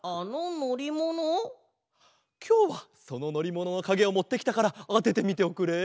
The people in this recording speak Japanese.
きょうはそののりもののかげをもってきたからあててみておくれ。